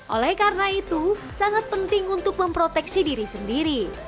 oleh karena itu sangat penting untuk memproteksi diri sendiri